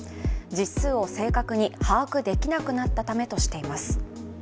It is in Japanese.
実数を正確に把握できなくなったためとしています。